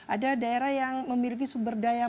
ada daerah yang memiliki sumber daya